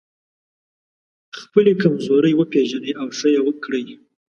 خپلې کمزورۍ وپېژنئ او ښه يې کړئ.